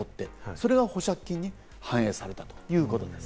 そこは保釈金に反映されたということです。